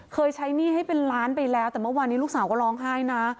ใช้หนี้ให้เป็นล้านไปแล้วแต่เมื่อวานนี้ลูกสาวก็ร้องไห้นะ